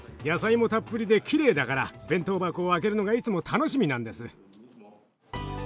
野菜もたっぷりできれいだから弁当箱を開けるのがいつも楽しみなんです。